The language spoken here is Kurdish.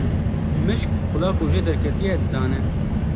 Mişk qula ku jê derketiye dizane.